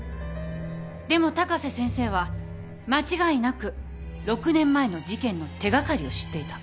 でも高瀬先生は間違いなく６年前の事件の手掛かりを知っていた。